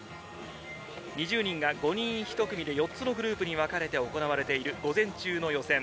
２０人が５人１組で４つのグループに分かれて行われている午前中の予選。